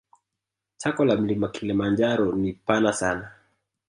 Tako la mlima kilimanjaro ni pana sana